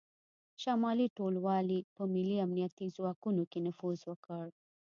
شمالي ټلوالې په ملي امنیتي ځواکونو کې نفوذ وکړ